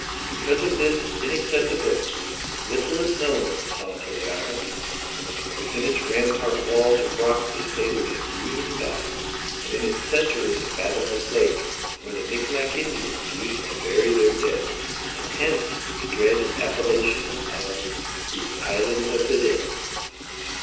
Because of this inaccessibility little is known of the solitary island. Within its rampart walls of rock they say there is a green valley, and in its center is a fathomless lake, where the Micmac Indians used to bury their dead, and hence its dread appellation of the "Island of the Dead."